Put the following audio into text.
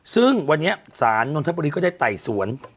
ซึ่งวันนี้ศาลนนทบุรีก็ได้ไต่สวน